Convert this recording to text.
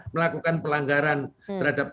melakukan pelanggaran terhadap